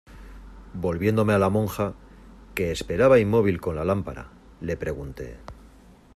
volviéndome a la monja, que esperaba inmóvil con la lámpara , le pregunté: